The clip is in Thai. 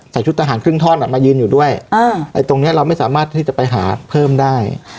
ชุดทหารครึ่งท่อนอ่ะมายืนอยู่ด้วยไอ้ตรงเนี้ยเราไม่สามารถที่จะไปหาเพิ่มได้